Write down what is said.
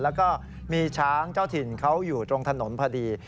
แล้วก็มีช้างเจ้าถิ่นเขาอยู่ตรงถนนพอดี